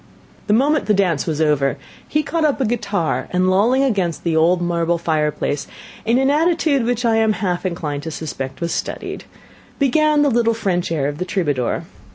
The moment the dance was over, he caught up a guitar, and lolling against the old marble fireplace, in an attitude which I am half inclined to suspect was studied, began the little French air of the Troubadour.